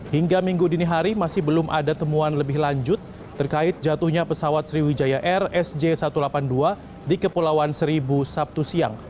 hingga minggu dini hari masih belum ada temuan lebih lanjut terkait jatuhnya pesawat sriwijaya air sj satu ratus delapan puluh dua di kepulauan seribu sabtu siang